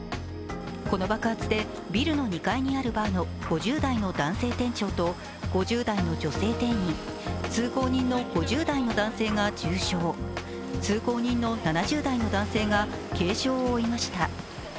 この爆発でビルの２階にあるバーの５０代の男性店長と５０代の女性店員、通行人の５０代の男性が重傷、通行人の７０代の男性が軽傷を負いました。